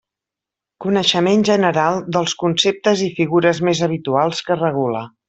Coneixement general dels conceptes i figures més habituals que regula.